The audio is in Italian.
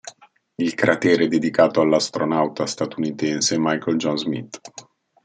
Il cratere è dedicato all'astronauta statunitense Michael John Smith.